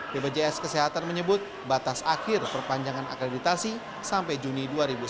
bpjs kesehatan menyebut batas akhir perpanjangan akreditasi sampai juni dua ribu sembilan belas